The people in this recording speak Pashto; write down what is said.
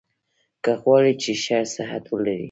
که غواړی چي ښه صحت ولرئ؟